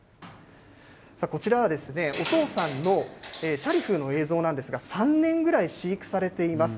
こちらはですね、お父さんのシャリフの映像なんですが、３年ぐらい飼育されています。